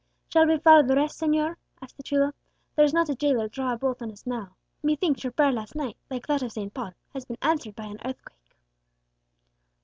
"Shall we follow the rest, señor?" asked the chulo. "There's not a jailer dare draw a bolt on us now. Methinks your prayer last night, like that of St. Paul, has been answered by an earthquake."